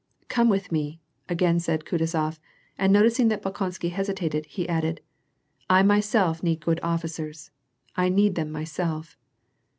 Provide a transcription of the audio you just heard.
"Come with me," again said Kutuzof, and noticing that Bolkonsky hesitated, he added : "I myself need good officers, 1 need them myself."